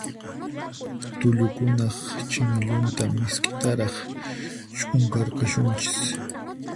Tullukunaq chinillunta misk'itaraq ch'unqarqunchis.